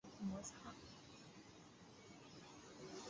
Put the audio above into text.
辉发与后来崛起的建州女真努尔哈赤势力屡有摩擦。